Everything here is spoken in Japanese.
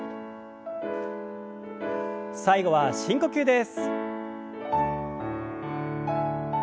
最後は深呼吸です。